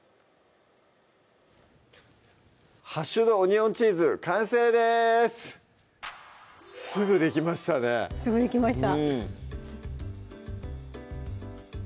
「ハッシュドオニオンチーズ」完成ですすぐできましたねすぐできました